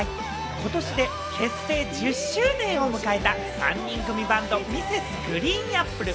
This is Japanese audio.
ことしで結成１０周年を迎えた３人組バンド、Ｍｒｓ．ＧＲＥＥＮＡＰＰＬＥ。